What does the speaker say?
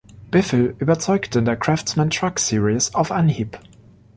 Biffle überzeugte in der Craftsman Truck Series auf Anhieb.